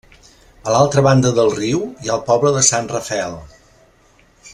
A l'altra banda del riu hi ha el poble de Sant Rafel.